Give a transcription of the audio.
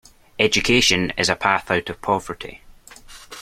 Education is a path out of poverty.